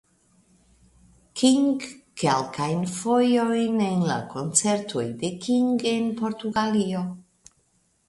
King kelkajn fojojn en la koncertoj de King en Portugalio.